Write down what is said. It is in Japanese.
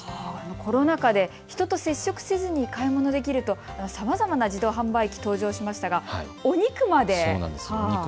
コロナ禍で人と接触せずに買い物できるとさまざまな自動販売機が登場しましたがお肉まで。